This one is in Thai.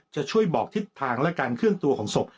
จะช่วยบอกทิศทางและการเคลื่อนตัวของศพ